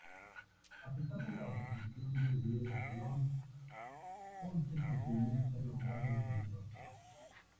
A pesar de la oposición de Diego Colón, Ponce consiguió ser nombrado gobernador.